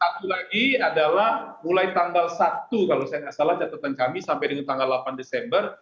satu lagi adalah mulai tanggal satu kalau saya nggak salah catatan kami sampai dengan tanggal delapan desember